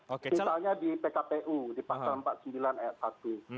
misalnya di pkpu di pak sembilan e satu